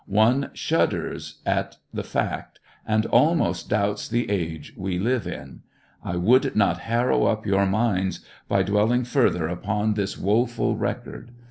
One shudders at the fact, and almost doubts the age we live in. I would not harrow up your minds by dwelling fur ther upon this woeful record.